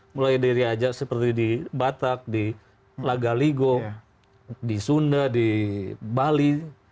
mulai dari aja seperti di batak di lagaligo di sunda di bali